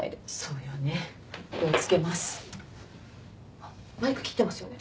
あっマイク切ってますよね？